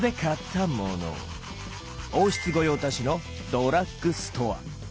王室御用達のドラッグストア。